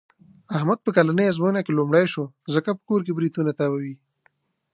احمد په کلنۍ ازموینه کې لومړی شو. ځکه په کور کې برېتونه تاووي.